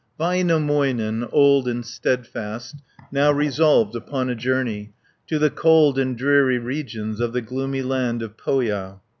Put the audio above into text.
Väinämöinen, old and steadfast, Now resolved upon a journey To the cold and dreary regions Of the gloomy land of Pohja.